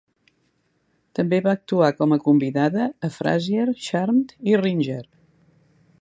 També va actuar com a convidada a "Frasier", "Charmed" i "Ringer".